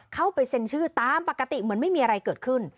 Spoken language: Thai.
เข้าไปเซ็นชื่อตามปกติเหมือนไม่มีอะไรเกิดขึ้น